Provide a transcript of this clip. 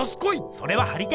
それは張り手！